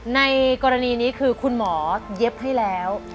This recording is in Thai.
ในกรณีนี้คือคุณหมอเย็บให้แล้ว